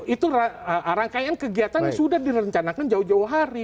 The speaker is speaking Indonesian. itu rangkaian kegiatan yang sudah direncanakan jauh jauh hari